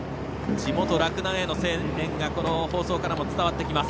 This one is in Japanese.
地元・洛南への声援がこの放送でも伝わってきます。